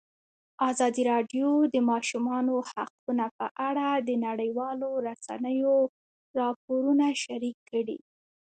ازادي راډیو د د ماشومانو حقونه په اړه د نړیوالو رسنیو راپورونه شریک کړي.